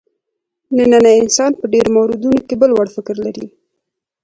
نننی انسان په ډېرو موردونو کې بل وړ فکر کوي.